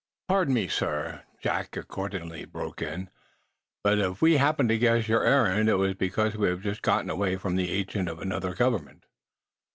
"Pardon me, sir," Jack accordingly broke in, "but, if we happened to guess your errand, it was because we have just gotten away from the agent of another government."